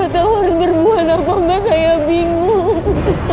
kita harus berbohon apa mbak saya bingung